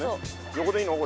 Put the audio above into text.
横でいいの？